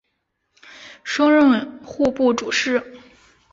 升任户部主事。